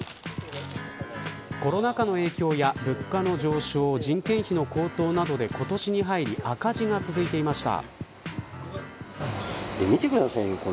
コロナ禍の影響や物価の上昇人件費の高騰などで今年に入り赤字が続いていました。